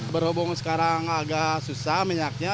berhubung sekarang agak susah minyaknya